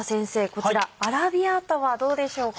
こちらアラビアータはどうでしょうか？